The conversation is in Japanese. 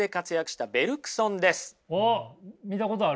おっ見たことある。